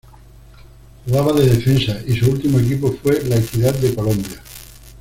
Jugaba de defensa y su último equipo fue La Equidad de Colombia.